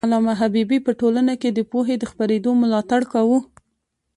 علامه حبيبي په ټولنه کي د پوهې د خپرېدو ملاتړ کاوه.